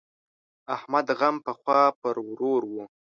احمد غم پخوا پر ورور وو.